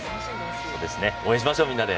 応援しましょう、みんなで！